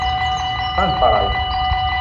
นั่นปะไร